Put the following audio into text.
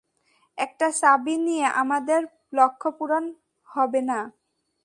একটা চাবি নিয়ে আমাদের লক্ষ্যপূরণ হবে না।